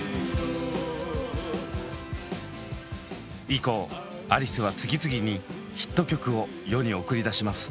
以降アリスは次々にヒット曲を世に送り出します。